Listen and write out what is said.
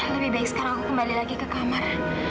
lebih baik sekarang aku kembali lagi ke kamar